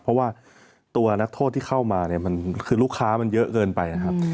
เพราะว่าตัวนักโทษที่เข้ามาเนี่ยมันคือลูกค้ามันเยอะเกินไปนะครับ